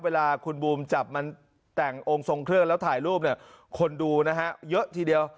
เวลาคุณบูมจับมันแต่งองค์ทรงเครื่องแล้วถ่ายรูปเนี่ยคนดูนะฮะเยอะทีเดียว